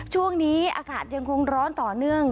ช่วงนี้อากาศยังคงร้อนต่อเนื่อง